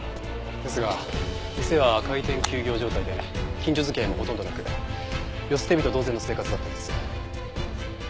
ですが店は開店休業状態で近所付き合いもほとんどなく世捨て人同然の生活だったようです。